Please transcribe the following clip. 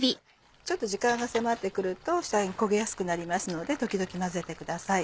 ちょっと時間が迫って来ると焦げやすくなりますので時々混ぜてください。